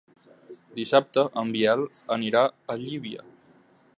Dissabte en Biel anirà a Llívia.